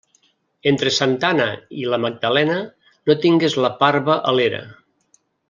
Entre Santa Anna i la Magdalena, no tingues la parva a l'era.